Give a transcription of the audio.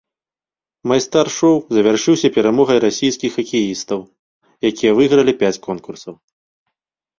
Майстар-шоў завяршылася перамогай расійскіх хакеістаў, якія выйгралі пяць конкурсаў.